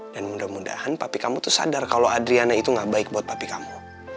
dan mudah mudahan papi kamu tuh sadar kalau adriana itu gak baik buat papi kamu